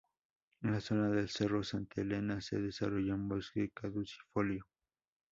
En la zona del Cerro Santa Elena se desarrolla un bosque caducifolio.